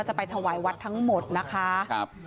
อะจะไปทวายวัดกับท